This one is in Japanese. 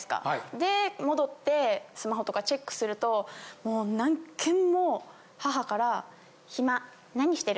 で戻ってスマホとかチェックするともう何件も母から「ヒマ何してる？